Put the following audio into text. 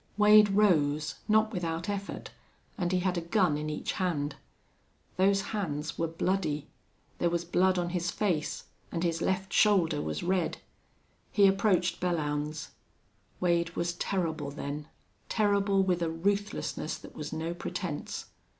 Wade rose, not without effort, and he had a gun in each hand. Those hands were bloody; there was blood on his face, and his left shoulder was red. He approached Belllounds. Wade was terrible then terrible with a ruthlessness that was no pretense.